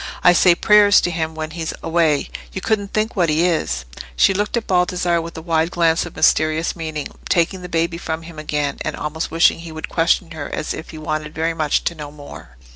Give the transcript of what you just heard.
I say prayers to him when he's away. You couldn't think what he is!" She looked at Baldassarre with a wide glance of mysterious meaning, taking the baby from him again, and almost wishing he would question her as if he wanted very much to know more.